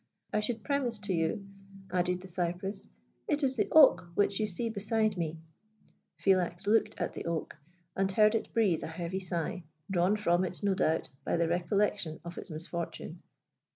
I should premise to you," added the cypress, "it is the oak which you see beside me." Philax looked at the oak, and heard it breathe a heavy sigh, drawn from it, no doubt, by the recollection of its misfortune.